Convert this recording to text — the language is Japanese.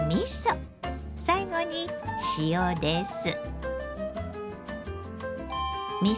最後に塩です。